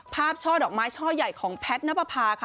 ช่อดอกไม้ช่อใหญ่ของแพทย์ณปภาค่ะ